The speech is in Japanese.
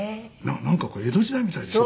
なんか江戸時代みたいでしょ？